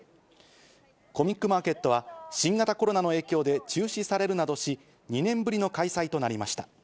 コミックマーケットは、新型コロナの影響で中止されるなどし、２年ぶりの開催となりました。